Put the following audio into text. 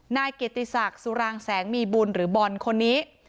นายเกียรติศักดิ์สุรางแสงมีบุญหรือบอลคนนี้